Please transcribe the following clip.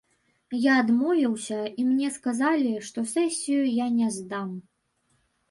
Я адмовіўся, і мне сказалі, што сесію я не здам.